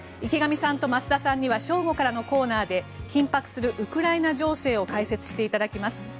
池上さんと増田さんには正午からのコーナーで緊迫するウクライナ情勢を解説していただきます。